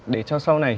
để cho sau này